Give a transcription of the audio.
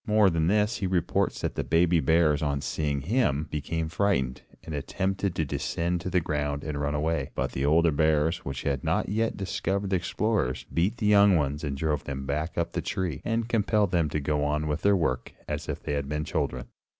More than this, he reports that the baby bears, on seeing him, became frightened, and attempted to descend to the ground and run away, but the older bears, which had not yet discovered the explorers, beat the young ones and drove them back up the tree, and compelled them to go on with their work, as if they had been children.